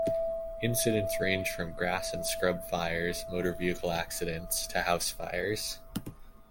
Incidents range from grass and scrub fires, motor vehicle accidents, to house fires.